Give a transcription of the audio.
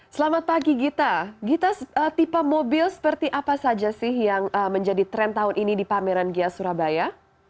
selamat pagi gita gita tipe mobil seperti apa saja sih yang menjadi tren tahun ini di pameran gia surabaya